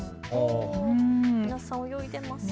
皆さん、泳いでいますね。